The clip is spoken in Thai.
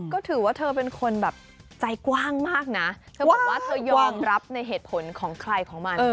ก็ถือว่าเธอเป็นคนแบบใจกว้างมากนะเธอบอกว่าเธอยอมรับในเหตุผลของใครของมัน